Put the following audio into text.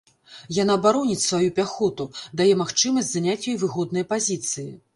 Яна бароніць сваю пяхоту, дае магчымасць заняць ёй выгодныя пазіцыі.